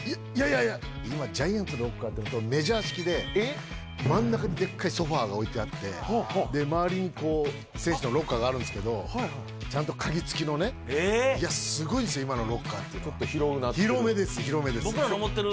今、ジャイアンツのロッカーはメジャー式で、真ん中にでっかいソファが置いてあって、周りに選手のロッカーがあるんですけど、ちゃんと鍵付きのね、すごいですよ、今のロッカちょっと広くなってる？